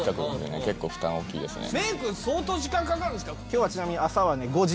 メイク相当時間かかるんですか？